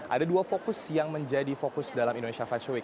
ada dua fokus yang menjadi fokus dalam indonesia fashion week